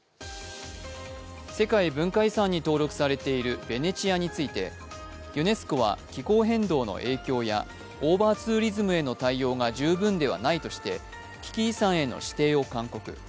世界文化遺産に登録されているベネチアについてユネスコは気候変動の影響やオーバーツーリズムへの対応が十分ではないとして、危機遺産への指定を勧告。